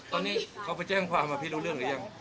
ตอนนี้เขาไปแจ้งความพี่รู้เรื่องหรือยัง